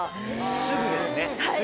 すぐですね。